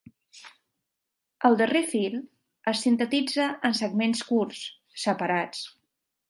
El darrer fil es sintetitza en segments curts, separats.